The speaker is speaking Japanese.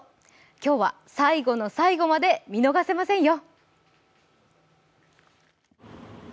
今日は最後の最後まで見逃せませんよ。